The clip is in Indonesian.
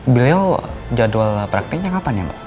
beliau jadwal praktiknya kapan ya mbak